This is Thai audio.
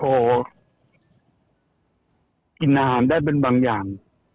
พอกินอาหารได้เป็นบางอย่าง